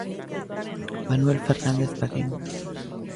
Manuel Fernández Padín.